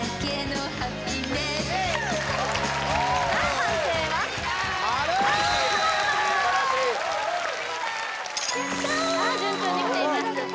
さあ順調にきています